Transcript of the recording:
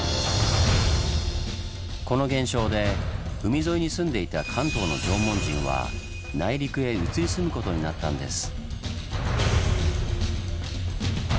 この現象で海沿いに住んでいた関東の縄文人は内陸へ移り住むことになったんです。